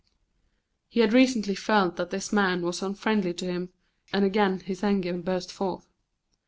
He had recently felt that this man was unfriendly to him, and again his anger burst forth.